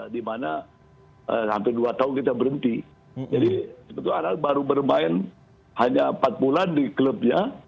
dimana hampir dua tahun kita berhenti jadi sebetulnya aral baru bermain hanya empat bulan di klubnya